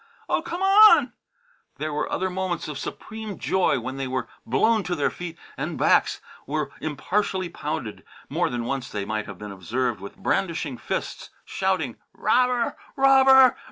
Oh, come on!" There were other moments of supreme joy when they were blown to their feet and backs were impartially pounded. More than once they might have been observed, with brandishing fists, shouting, "Robber! Robber!